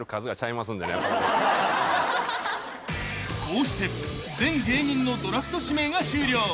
［こうして全芸人のドラフト指名が終了］